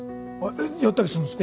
えっやったりするんですか？